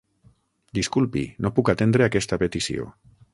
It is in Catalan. Disculpi, no puc atendre aquesta petició.